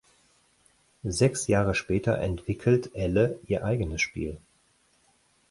Sechs Jahre später entwickelt Elle ihr eigenes Spiel.